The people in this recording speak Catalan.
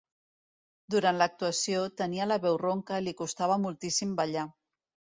Durant l'actuació, tenia la veu ronca i li costava moltíssim ballar.